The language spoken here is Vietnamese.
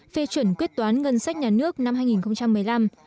phê chuẩn quyết toán ngân sách nhà nước năm hai nghìn một mươi năm